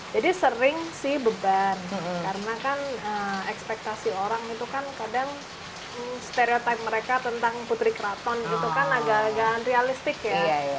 jadi sering sih beban karena kan ekspektasi orang itu kan kadang stereotype mereka tentang putri keraton gitu kan agak agak realistik ya